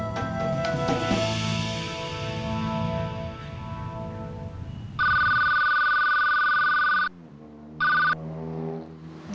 kita mau nunggu aja